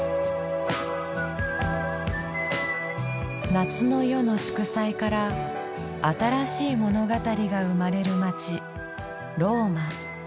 夏の夜の祝祭から新しい物語が生まれる街ローマ。